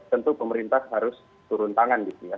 tentu pemerintah harus turun tangan gitu ya